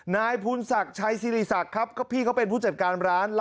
นายภูนศักดิ์ชัยสิริศักดิ์ครับก็พี่เขาเป็นผู้จัดการร้าน